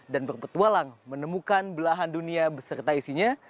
dan berpetualang menemukan belahan dunia beserta isinya